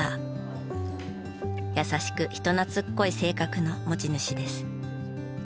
優しく人懐っこい性格の持ち主です。